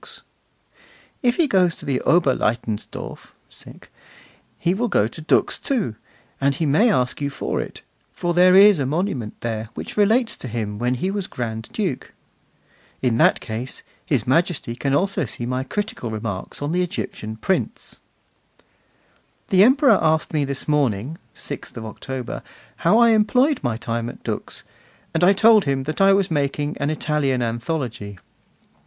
'If he goes to Oberlaitensdorf he will go to Dux, too; and he may ask you for it, for there is a monument there which relates to him when he was Grand Duke.' 'In that case, His Majesty can also see my critical remarks on the Egyptian prints.' The Emperor asked me this morning, 6th October, how I employed my time at Dux, and I told him that I was making an Italian anthology.